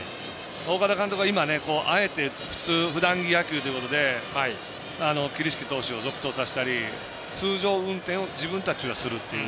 岡田監督は今、あえてふだん野球ということで桐敷投手を続投させたり通常運転を自分たちはするっていう。